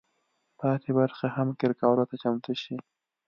پاتې برخې هم قیر کولو ته چمتو شي.